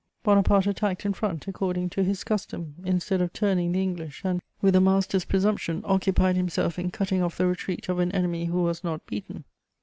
Bonaparte attacked in front, according to his custom, instead of turning the English, and, with a master's presumption, occupied himself in cutting off the retreat of an enemy who was not beaten.